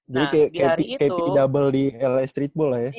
jadi kayak p double di la street ball ya